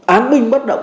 án minh bất động